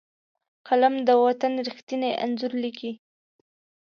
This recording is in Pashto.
قلم د وطن ریښتیني انځور لیکي